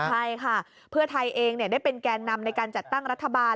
ใช่ค่ะเพื่อไทยเองได้เป็นแกนนำในการจัดตั้งรัฐบาล